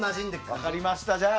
分かりました。